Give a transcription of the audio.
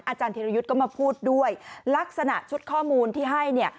อาจารย์ธิรยุทธ์ก็มาพูดด้วยลักษณะชุดข้อมูลที่ให้เนี่ย